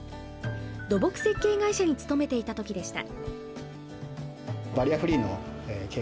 土木設計会社に勤めていた時でした。